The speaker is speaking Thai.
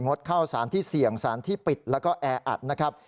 ดเข้าสารที่เสี่ยงสารที่ปิดแล้วก็แออัดนะครับ